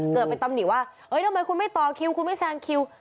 เกิดไปตำหนิว่าทำไมคุณไม่ต่อคิวคุณไม่แซงคิว